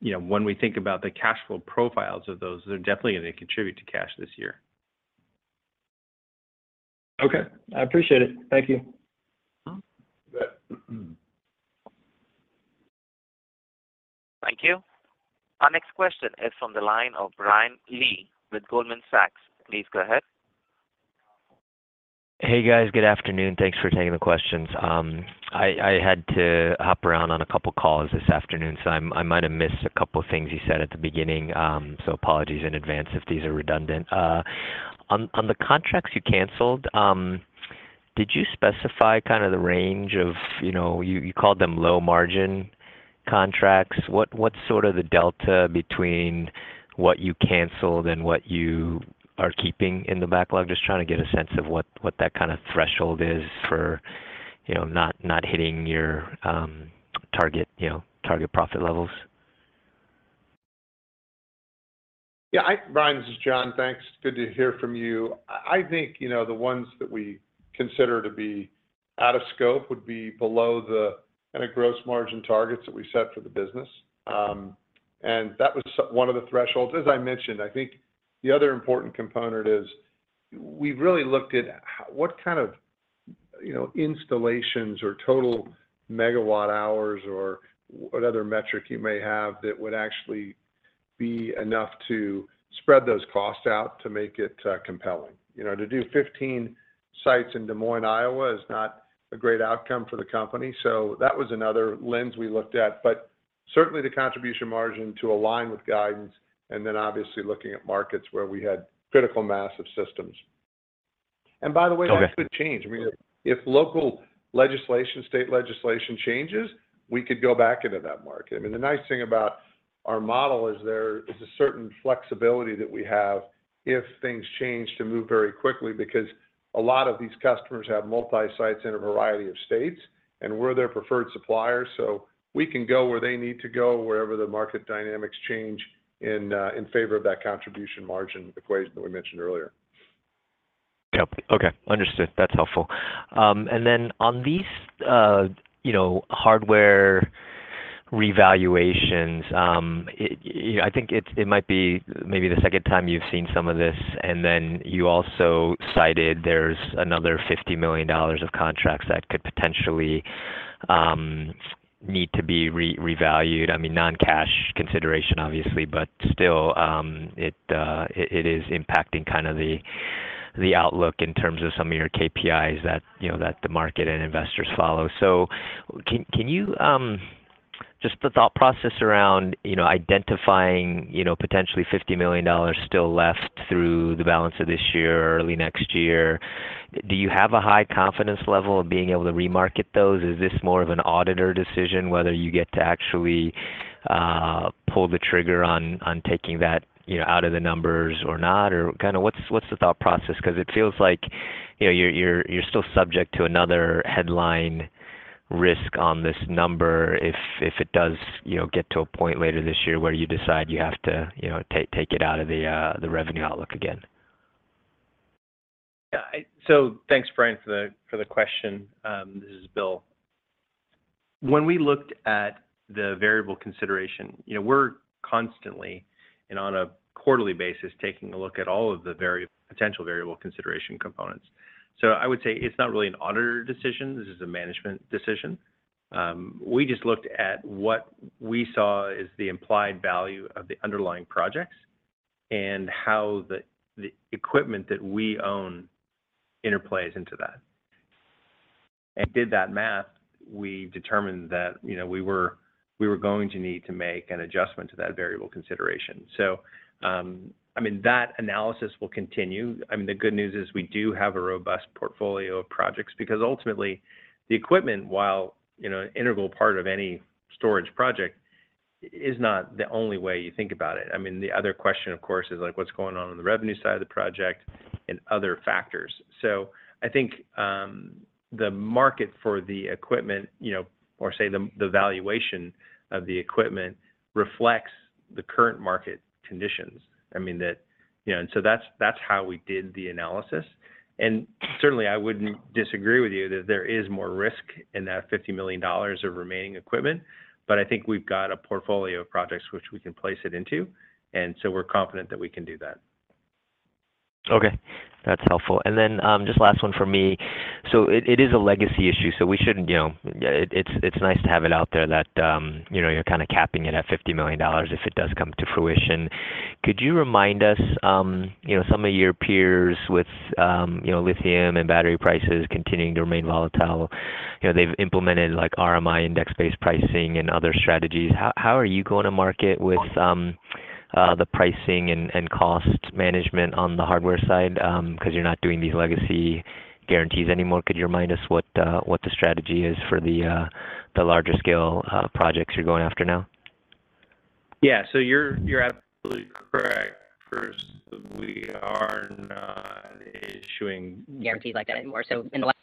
When we think about the cash flow profiles of those, they're definitely going to contribute to cash this year. Okay. I appreciate it. Thank you. Thank you. Our next question is from the line of Brian Lee with Goldman Sachs. Please go ahead. Hey, guys. Good afternoon. Thanks for taking the questions. I had to hop around on a couple of calls this afternoon, so I might have missed a couple of things you said at the beginning. So apologies in advance if these are redundant. On the contracts you canceled, did you specify kind of the range of you called them low-margin contracts? What's sort of the delta between what you canceled and what you are keeping in the backlog? Just trying to get a sense of what that kind of threshold is for not hitting your target profit levels. Yeah. Hi, Brian. This is John. Thanks. Good to hear from you. I think the ones that we consider to be out of scope would be below the kind of gross margin targets that we set for the business. That was one of the thresholds. As I mentioned, I think the other important component is we've really looked at what kind of installations or total megawatt-hours or whatever metric you may have that would actually be enough to spread those costs out to make it compelling. To do 15 sites in Des Moines, Iowa is not a great outcome for the company. That was another lens we looked at. Certainly, the contribution margin to align with guidance and then obviously looking at markets where we had critical massive systems. By the way, that could change. I mean, if local legislation, state legislation changes, we could go back into that market. I mean, the nice thing about our model is there is a certain flexibility that we have if things change to move very quickly because a lot of these customers have multi-sites in a variety of states. We're their preferred supplier, so we can go where they need to go, wherever the market dynamics change in favor of that contribution margin equation that we mentioned earlier. Yep. Okay. Understood. That's helpful. And then on these hardware revaluations, I think it might be maybe the second time you've seen some of this. And then you also cited there's another $50 million of contracts that could potentially need to be revalued. I mean, non-cash consideration, obviously, but still, it is impacting kind of the outlook in terms of some of your KPIs that the market and investors follow. So can you just the thought process around identifying potentially $50 million still left through the balance of this year or early next year? Do you have a high confidence level of being able to remarket those? Is this more of an auditor decision whether you get to actually pull the trigger on taking that out of the numbers or not? Or kind of what's the thought process? Because it feels like you're still subject to another headline risk on this number if it does get to a point later this year where you decide you have to take it out of the revenue outlook again. Yeah. So thanks, Brian, for the question. This is Bill. When we looked at the variable consideration, we're constantly and on a quarterly basis taking a look at all of the potential variable consideration components. So I would say it's not really an auditor decision. This is a management decision. We just looked at what we saw as the implied value of the underlying projects and how the equipment that we own interplays into that. And did that math, we determined that we were going to need to make an adjustment to that variable consideration. So I mean, that analysis will continue. I mean, the good news is we do have a robust portfolio of projects because ultimately, the equipment, while an integral part of any storage project, is not the only way you think about it. I mean, the other question, of course, is what's going on on the revenue side of the project and other factors. So I think the market for the equipment or say the valuation of the equipment reflects the current market conditions. I mean, and so that's how we did the analysis. And certainly, I wouldn't disagree with you that there is more risk in that $50 million of remaining equipment. But I think we've got a portfolio of projects which we can place it into. And so we're confident that we can do that. Okay. That's helpful. And then just last one for me. So it is a legacy issue. So we shouldn't. It's nice to have it out there that you're kind of capping it at $50 million if it does come to fruition. Could you remind us some of your peers with lithium and battery prices continuing to remain volatile? They've implemented RMI index-based pricing and other strategies. How are you going to market with the pricing and cost management on the hardware side because you're not doing these legacy guarantees anymore? Could you remind us what the strategy is for the larger-scale projects you're going after now? Yeah. So you're absolutely correct. First, we are not issuing. Guarantees like that anymore. So in the last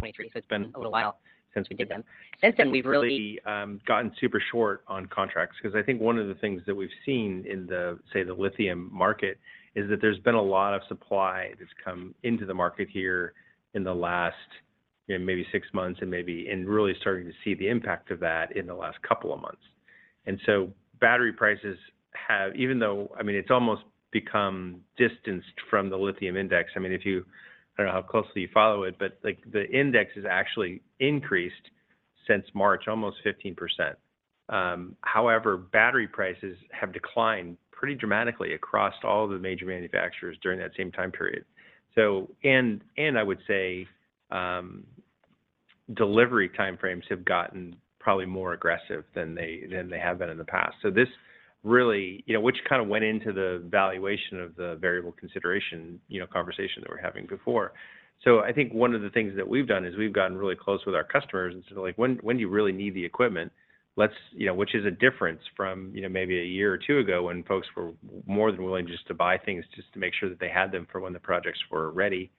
23, so it's been a little while since we did them. Since then, we've really. We've really gotten super short on contracts because I think one of the things that we've seen in, say, the lithium market is that there's been a lot of supply that's come into the market here in the last maybe six months and really starting to see the impact of that in the last couple of months. And so battery prices, even though I mean, it's almost become distanced from the lithium index. I mean, I don't know how closely you follow it, but the index has actually increased since March, almost 15%. However, battery prices have declined pretty dramatically across all of the major manufacturers during that same time period. And I would say delivery time frames have gotten probably more aggressive than they have been in the past. So this really which kind of went into the valuation of the variable consideration conversation that we're having before. So I think one of the things that we've done is we've gotten really close with our customers and said, "When do you really need the equipment?" Which is a difference from maybe a year or two ago when folks were more than willing just to buy things just to make sure that they had them for when the projects were ready.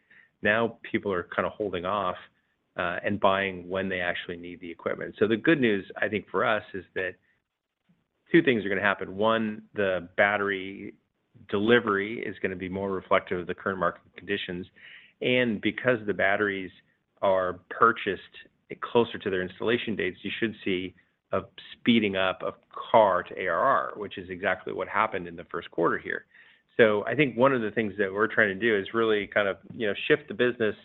Now, people are kind of holding off and buying when they actually need the equipment. So the good news, I think, for us is that two things are going to happen. One, the battery delivery is going to be more reflective of the current market conditions. And because the batteries are purchased closer to their installation dates, you should see a speeding up of CAR to ARR, which is exactly what happened in the Q1 here. So I think one of the things that we're trying to do is really kind of shift the business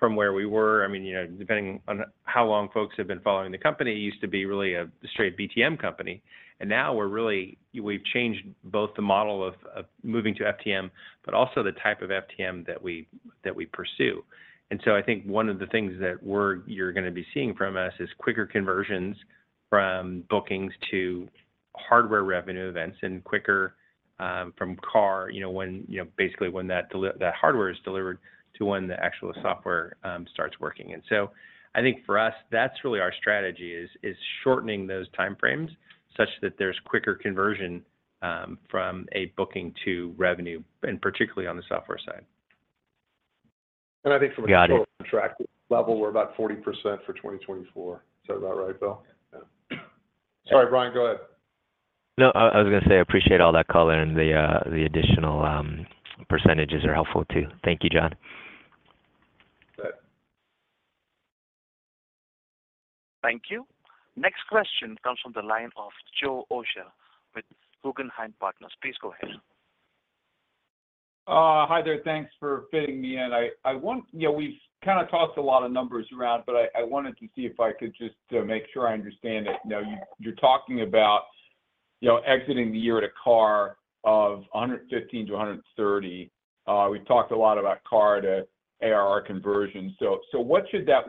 from where we were. I mean, depending on how long folks have been following the company, it used to be really a straight BTM company. And now, we've changed both the model of moving to FTM, but also the type of FTM that we pursue. And so I think one of the things that you're going to be seeing from us is quicker conversions from bookings to hardware revenue events and quicker from CAR, basically when that hardware is delivered, to when the actual software starts working. And so I think for us, that's really our strategy is shortening those time frames such that there's quicker conversion from a booking to revenue, and particularly on the software side. I think from a contract level, we're about 40% for 2024. Is that about right, Bill? Yeah. Sorry, Brian. Go ahead. No, I was going to say I appreciate all that color, and the additional percentages are helpful too. Thank you, John. Good. Thank you. Next question comes from the line of Joe Osha with Guggenheim Partners. Please go ahead. Hi there. Thanks for fitting me in. We've kind of tossed a lot of numbers around, but I wanted to see if I could just make sure I understand it. You're talking about exiting the year at a CAR of 115-130. We've talked a lot about CAR to ARR conversion. So what should that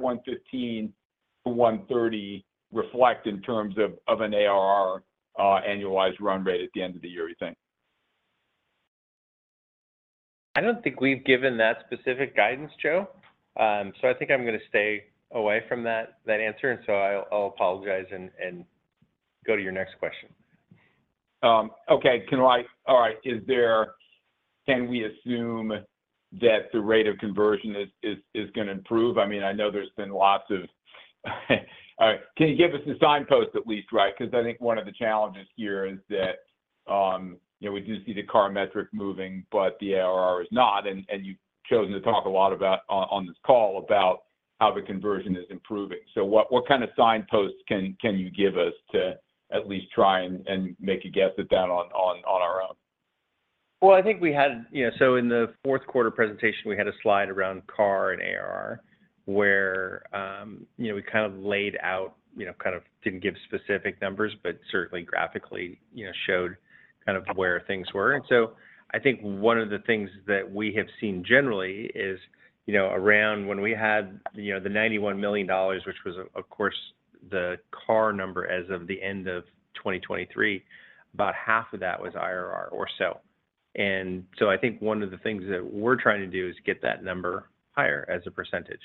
115-130 reflect in terms of an ARR annualized run rate at the end of the year, you think? I don't think we've given that specific guidance, Joe. So I think I'm going to stay away from that answer. And so I'll apologize and go to your next question. Okay. All right. Can we assume that the rate of conversion is going to improve? I mean, I know there's been lots of all right. Can you give us a signpost at least, right? Because I think one of the challenges here is that we do see the CAR metric moving, but the ARR is not. And you've chosen to talk a lot about on this call about how the conversion is improving. So what kind of signposts can you give us to at least try and make a guess at that on our own? Well, I think we had, so in the Q4 presentation, we had a slide around CAR and ARR where we kind of laid out kind of didn't give specific numbers, but certainly graphically showed kind of where things were. So I think one of the things that we have seen generally is around when we had the $91 million, which was, of course, the CAR number as of the end of 2023, about half of that was ARR or so. So I think one of the things that we're trying to do is get that number higher as a percentage.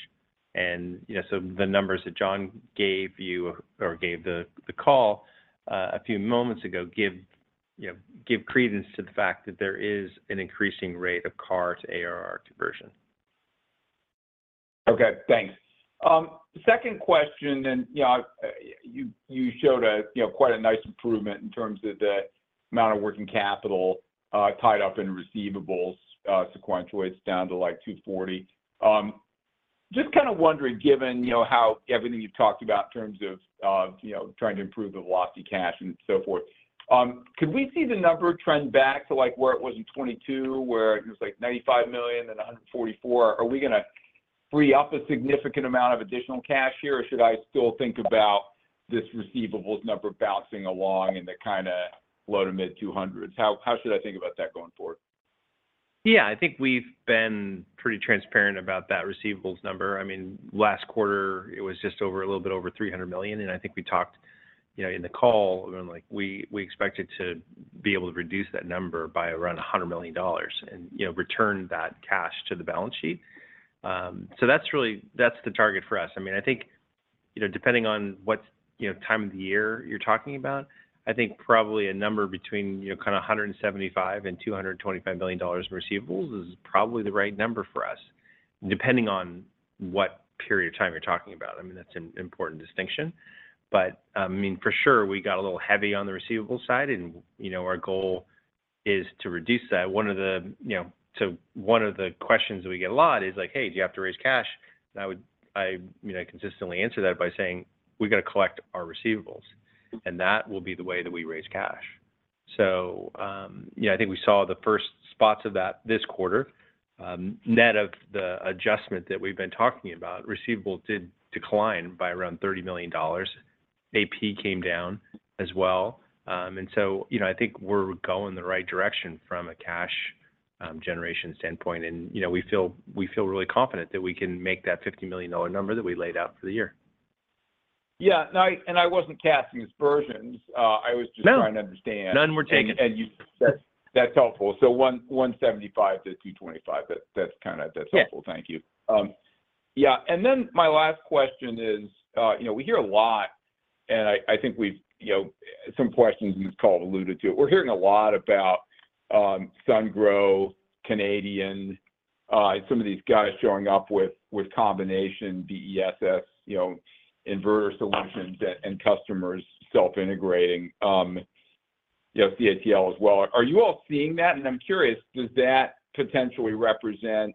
So the numbers that John gave you or gave the call a few moments ago give credence to the fact that there is an increasing rate of CAR to ARR conversion. Okay. Thanks. Second question. You showed quite a nice improvement in terms of the amount of working capital tied up in receivables sequential. It's down to like $240 million. Just kind of wondering, given how everything you've talked about in terms of trying to improve the velocity cash and so forth, could we see the number trend back to where it was in 2022 where it was like $95 million then $144 million? Are we going to free up a significant amount of additional cash here, or should I still think about this receivables number bouncing along in the kind of low to mid-$200 million? How should I think about that going forward? Yeah. I think we've been pretty transparent about that receivables number. I mean, last quarter, it was just over a little bit over $300 million. And I think we talked in the call. We expected to be able to reduce that number by around $100 million and return that cash to the balance sheet. So that's the target for us. I mean, I think depending on what time of the year you're talking about, I think probably a number between kind of $175 million and $225 million in receivables is probably the right number for us, depending on what period of time you're talking about. I mean, that's an important distinction. But I mean, for sure, we got a little heavy on the receivables side, and our goal is to reduce that. One of the questions that we get a lot is like, "Hey, do you have to raise cash?" I consistently answer that by saying, "We've got to collect our receivables, and that will be the way that we raise cash." I think we saw the first spots of that this quarter. Net of the adjustment that we've been talking about, receivables did decline by around $30 million. AP came down as well. I think we're going the right direction from a cash generation standpoint. We feel really confident that we can make that $50 million number that we laid out for the year. Yeah. And I wasn't casting aspersions. I was just trying to understand. No. None were taken. And that's helpful. So 175-225, that's helpful. Thank you. Yeah. And then my last question is we hear a lot, and I think some questions in this call have alluded to it. We're hearing a lot about Sungrow, Canadian, some of these guys showing up with combination, BESS, inverter solutions, and customers self-integrating, CATL as well. Are you all seeing that? And I'm curious, does that potentially represent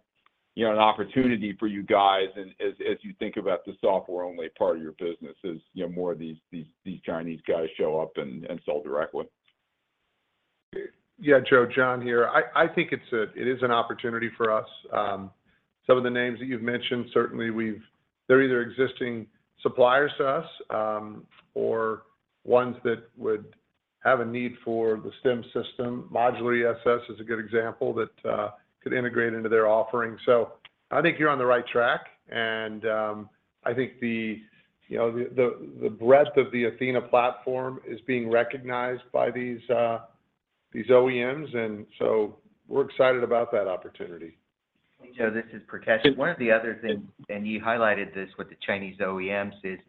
an opportunity for you guys as you think about the software-only part of your business as more of these Chinese guys show up and sell directly? Yeah, Joe. John here. I think it is an opportunity for us. Some of the names that you've mentioned, certainly, they're either existing suppliers to us or ones that would have a need for the Stem system. Modular ESS is a good example that could integrate into their offering. So I think you're on the right track. And I think the breadth of the Athena platform is being recognized by these OEMs. And so we're excited about that opportunity. Joe, this is Prakesh. One of the other things and you highlighted this with the Chinese OEMs is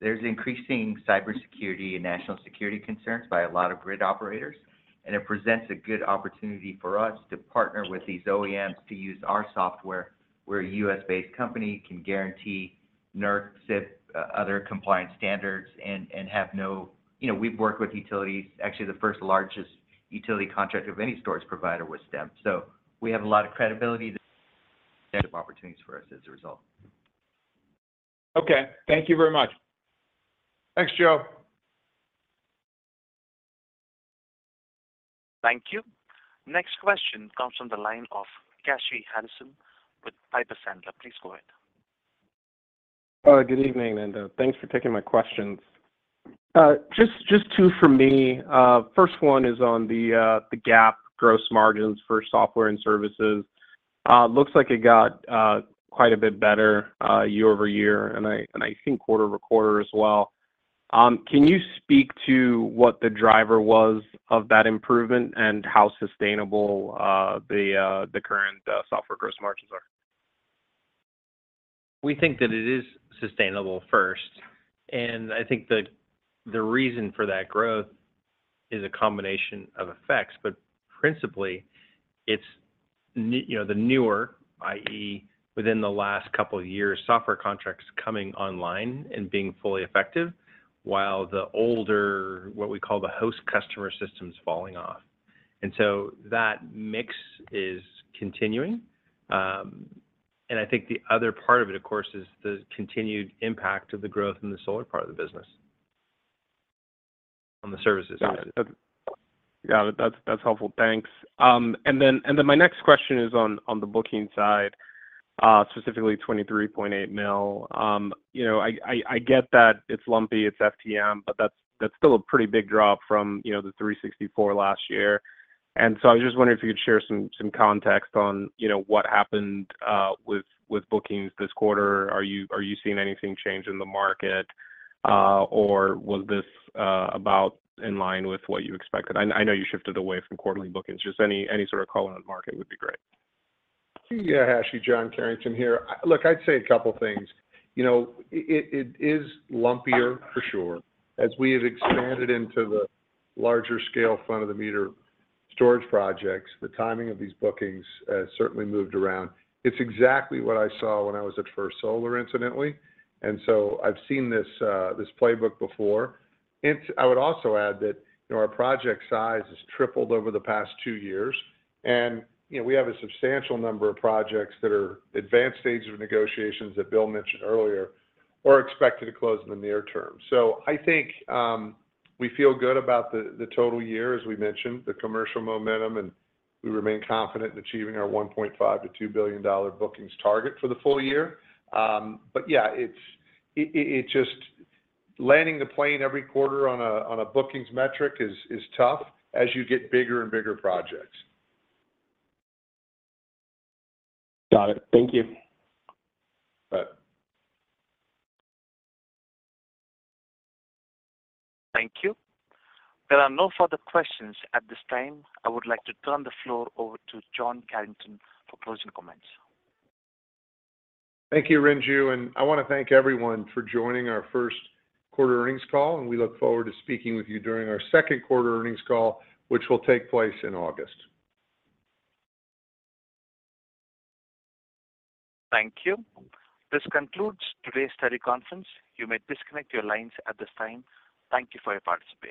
there's increasing cybersecurity and national security concerns by a lot of grid operators. It presents a good opportunity for us to partner with these OEMs to use our software where a US-based company can guarantee, ensure other compliance standards, and have no—we've worked with utilities. Actually, the first largest utility contract of any storage provider was Stem. So we have a lot of credibility. Lots of opportunities for us as a result. Okay. Thank you very much. Thanks, Joe. Thank you. Next question comes from the line of Kashy Harrison with Piper Sandler. Please go ahead. Good evening, Linda. Thanks for taking my questions. Just two from me. First one is on the GAAP gross margins for software and services. Looks like it got quite a bit better year-over-year, and I think quarter-over-quarter as well. Can you speak to what the driver was of that improvement and how sustainable the current software gross margins are? We think that it is sustainable first. And I think the reason for that growth is a combination of effects. But principally, it's the newer, i.e., within the last couple of years, software contracts coming online and being fully effective, while the older, what we call the host customer systems, falling off. And so that mix is continuing. And I think the other part of it, of course, is the continued impact of the growth in the solar part of the business on the services side. Yeah. That's helpful. Thanks. Then my next question is on the booking side, specifically $23.8 million. I get that it's lumpy. It's FTM, but that's still a pretty big drop from the $364 million last year. So I was just wondering if you could share some context on what happened with bookings this quarter. Are you seeing anything change in the market, or was this about in line with what you expected? I know you shifted away from quarterly bookings. Just any sort of color on the market would be great. Yeah. Hi, John Carrington here. Look, I'd say a couple of things. It is lumpier, for sure. As we have expanded into the larger-scale front-of-the-meter storage projects, the timing of these bookings has certainly moved around. It's exactly what I saw when I was at First Solar, incidentally. And so I've seen this playbook before. I would also add that our project size has tripled over the past two years. And we have a substantial number of projects that are advanced stages of negotiations that Bill mentioned earlier or expected to close in the near term. So I think we feel good about the total year, as we mentioned, the commercial momentum, and we remain confident in achieving our $1.5-$2 billion bookings target for the full year. But yeah, landing the plane every quarter on a bookings metric is tough as you get bigger and bigger projects. Got it. Thank you. Bye. Thank you. There are no further questions at this time. I would like to turn the floor over to John Carrington for closing comments. Thank you, Renju. I want to thank everyone for joining our Q1 earnings call. We look forward to speaking with you during our second quarter earnings call, which will take place in August. Thank you. This concludes today's study conference. You may disconnect your lines at this time. Thank you for your participation.